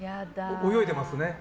泳いでますね。